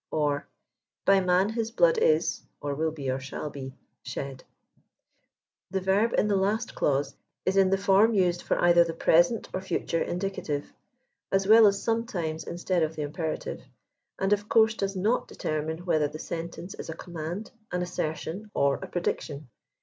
'^ Or, ^* by man his blood is (or will be, or shall be) shed," The verb in the last clause is in the form used for either the present or future indicative, as well as sometimes instead of the imperative, and of course does not de termine whether the sentence is a command, an assertion or a prediction.